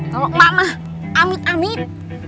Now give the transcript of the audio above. kalau mak mak amit amit